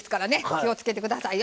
気をつけて下さいよ。